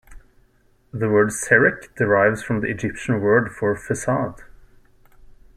The word "serekh" derives from the Egyptian word for "facade".